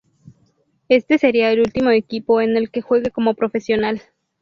Este será el último equipo en el que juegue como profesional.